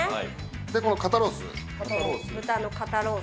この肩ロース。